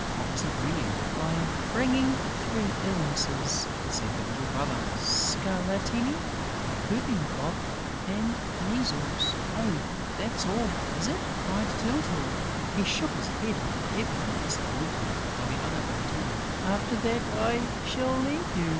What was he bringing? "I am bringing three illnesses," said the little brother. "Scarlatina, whooping cough and measles...." "Oh, that's all, is it?" cried Tyltyl. He shook his head, with evident disappointment, while the other continued: "After that, I shall leave you!"